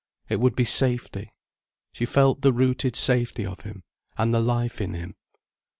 It would be safety. She felt the rooted safety of him, and the life in him.